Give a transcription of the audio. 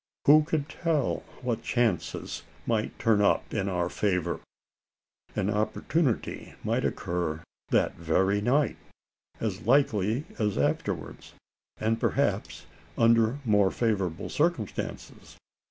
Who could tell what chances might turn up in our favour? An opportunity might occur that very night as likely as afterwards, and perhaps under more favourable circumstances?